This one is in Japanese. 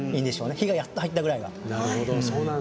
火がやっと入ったぐらいが。